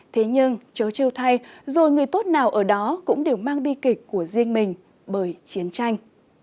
thế nhưng chấu trêu thay rồi người tốt nào ở đó cũng đều mang bi kịch của riêng mình bởi chiến tranh